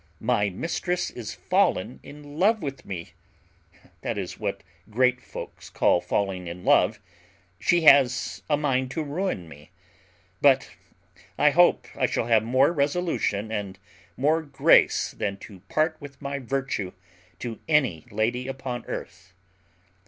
my mistress is fallen in love with me that is, what great folks call falling in love she has a mind to ruin me; but I hope I shall have more resolution and more grace than to part with my virtue to any lady upon earth.